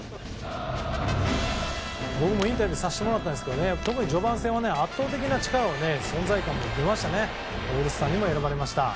僕もインタビューをさせてもらったんですけど特に序盤戦は圧倒的な力存在感が出ましてオールスターにも選ばれました。